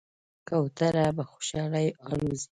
کوتره په خوشحالۍ الوزي.